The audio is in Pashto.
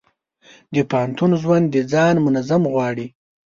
د پوهنتون ژوند د ځان نظم غواړي.